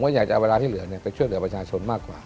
อยากจะเอาเวลาที่เหลือไปช่วยเหลือประชาชนมากกว่า